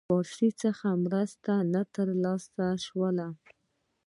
پاریس څخه مرستي ته نه رسېدلای سوای.